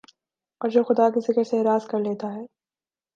اور جو خدا کے ذکر سے اعراض کر لیتا ہے